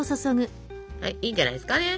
はいいいんじゃないですかね。